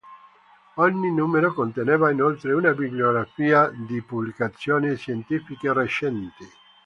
Ogni numero conteneva inoltre una bibliografia di pubblicazioni scientifiche recenti.